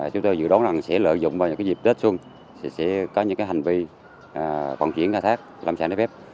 chúng tôi dự đoán rằng sẽ lợi dụng vào những dịp tết xuân sẽ có những hành vi vận chuyển khai thác lâm sản đã phép